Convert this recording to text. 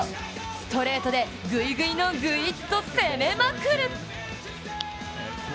ストレートでグイグイのグイっと攻めまくる！